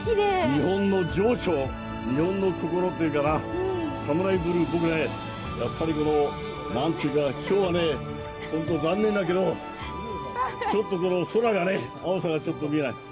日本の情緒を、日本の心というかな、サムライブルー、僕ね、やっぱりこの、なんというか、きょうはね、本当、残念だけど、ちょっとこの空がね、青さがちょっと見えない。